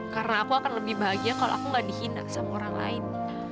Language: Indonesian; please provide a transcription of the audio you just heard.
karena aku akan lebih bahagia kalau aku gak dihina sama orang lain